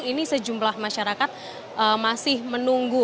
ini sejumlah masyarakat masih menunggu